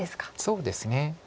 そうですね。